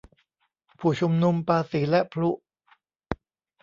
ผู้ชุมนุมปาสีและพลุ